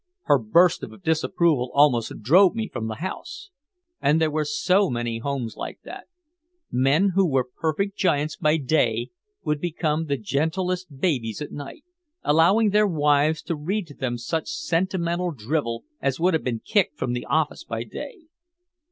Her burst of disapproval almost drove me from the house. And there were so many homes like that. Men who were perfect giants by day would become the gentlest babies at night, allowing their wives to read to them such sentimental drivel as would have been kicked from the office by day.